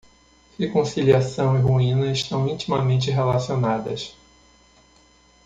Reconciliação e ruína estão intimamente relacionadas.